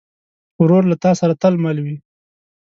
ورور له تا سره تل مل وي.